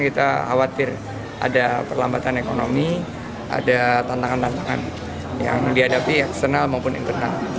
kita khawatir ada perlambatan ekonomi ada tantangan tantangan yang dihadapi eksternal maupun internal